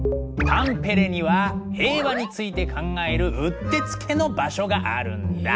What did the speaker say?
タンペレには平和について考えるうってつけの場所があるんだ。